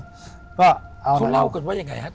ทุกคนเล่ากันว่าอย่างไรครับตอนนั้น